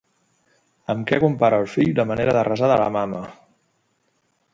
Amb què compara el fill la manera de resar de la mama?